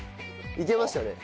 いけましたね。